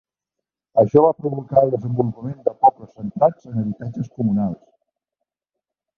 Això va provocar el desenvolupament de pobles centrats en habitatges comunals.